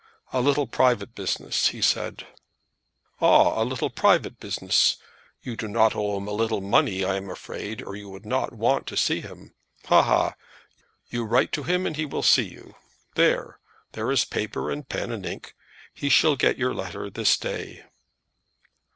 "A little private business," he said. "Ah; a little private business. You do not owe him a little money, I am afraid, or you would not want to see him. Ha, ha! You write to him, and he will see you. There; there is paper and pen and ink. He shall get your letter this day."